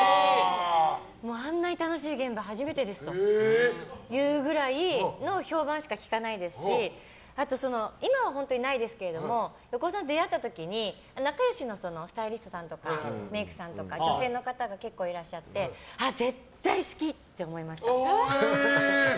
あんなに楽しい現場初めてですというくらいの評判しか聞かないですしあと、今は本当にないですけども横尾さんと出会った時に仲良しのスタイリストさんとかメイクさんとか、女性の方が結構いらっしゃって絶対好き！って思いました。